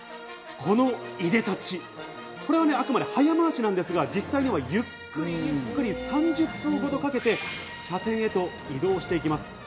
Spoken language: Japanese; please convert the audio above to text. この出で立ち、これはあくまで早回しなんですが、実際にはゆっくりゆっくり、３０分ほどかけて射点へと移動させます。